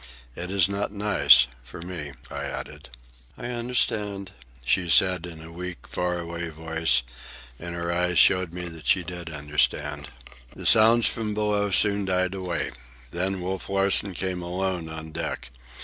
"It is not nice—for me," I added. "I understand," she said, in a weak, far away voice, and her eyes showed me that she did understand. The sounds from below soon died away. Then Wolf Larsen came alone on deck.